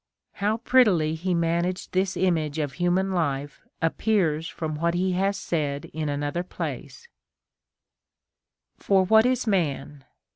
f How prettily he managed this image of human life appears from what he hath said in another place :— For what is man